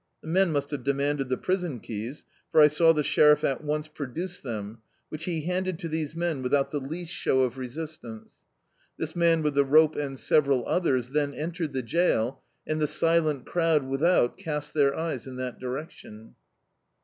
The men must have demanded the prison keys, for I saw the sheriff at once produce them, whidi he handed to these men without the least ^ow of re Dictzcdtv Google A Lynching sistancc This man with the rope and several others then entered the jail, and the silent crowd without cast their eyes in that direction.